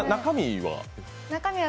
中身は？